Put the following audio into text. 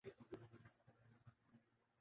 جس کا بجٹ زیربحث نہ لایا جا سکے